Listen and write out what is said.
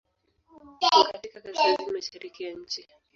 Iko katika kaskazini-mashariki ya nchi.